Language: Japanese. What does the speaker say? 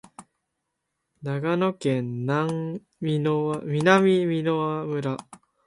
長野県南箕輪村